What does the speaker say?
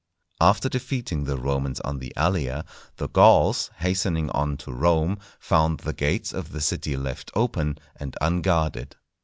After defeating the Romans on the Allia, the Gauls, hastening on to Rome, found the gates of the city left open and unguarded.